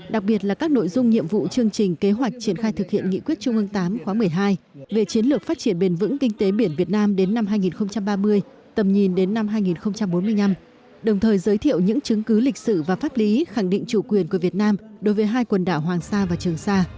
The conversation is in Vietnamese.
đặc biệt là các nội dung nhiệm vụ chương trình kế hoạch triển khai thực hiện nghị quyết trung ương viii khóa một mươi hai về chiến lược phát triển bền vững kinh tế biển việt nam đến năm hai nghìn ba mươi tầm nhìn đến năm hai nghìn bốn mươi năm đồng thời giới thiệu những chứng cứ lịch sử và pháp lý khẳng định chủ quyền của việt nam đối với hai quần đảo hoàng sa và trường sa